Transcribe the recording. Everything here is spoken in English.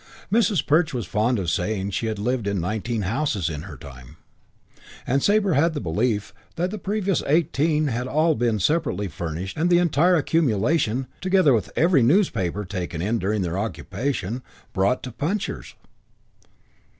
Mrs. Perch was fond of saying she had lived in nineteen houses "in her time", and Sabre had the belief that the previous eighteen had all been separately furnished and the entire accumulation, together with every newspaper taken in during their occupation, brought to Puncher's.